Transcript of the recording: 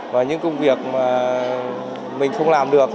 và những công việc mà mình không làm được